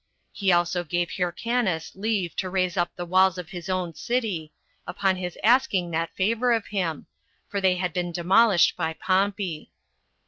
He also gave Hyrcanus leave to raise up the walls of his own city, upon his asking that favor of him, for they had been demolished by Pompey.